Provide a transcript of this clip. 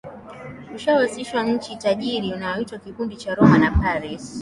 Ushawishiwa nchi tajiri wanaoitwa kikundi cha Roma na Paris